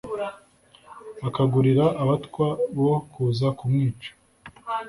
akagurira abatwa bo kuza kumwica.